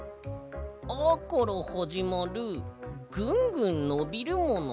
「あ」からはじまるぐんぐんのびるもの？